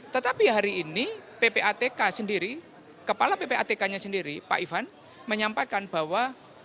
tetapi hari ini ppatk sendiri kepala ppatk nya sendiri pak ivan menyampaikan bahwa